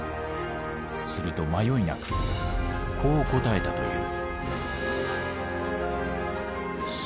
すると迷いなくこう答えたという。